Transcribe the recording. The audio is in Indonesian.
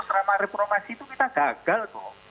serama repromasi itu kita gagal